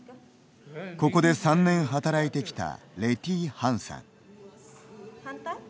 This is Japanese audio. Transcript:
ここで３年働いてきたレ・ティ・ハンさん。